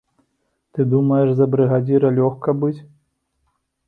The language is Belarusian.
Ты думаеш, за брыгадзіра лёгка быць?